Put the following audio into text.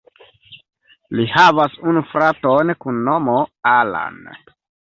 Li havas unu fraton kun nomo Alan.